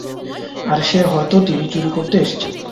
আর সে হয়ত টিভি চুরি করতে আসছিলো।